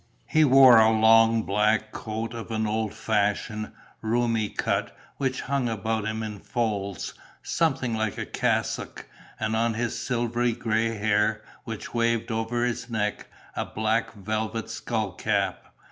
He wore a long black coat of an old fashioned, roomy cut, which hung about him in folds, something like a cassock, and on his silvery grey hair, which waved over his neck, a black velvet skull cap.